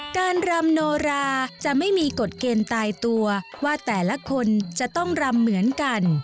รำโนราจะไม่มีกฎเกณฑ์ตายตัวว่าแต่ละคนจะต้องรำเหมือนกัน